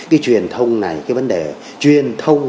cái truyền thông này cái vấn đề truyền thông